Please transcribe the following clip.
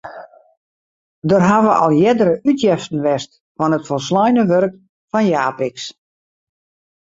Der hawwe al earder útjeften west fan it folsleine wurk fan Japicx.